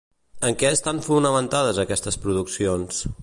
En què estan fonamentades aquestes produccions?